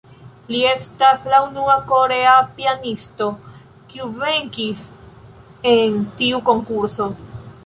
Li estas la unua korea pianisto, kiu venkis en tiu Konkurso.